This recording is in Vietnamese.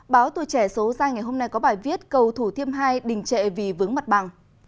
báo tuổi trẻ số ra ngày hôm nay có bài viết cầu thủ thiêm hai đình trệ vì vướng mặt bằng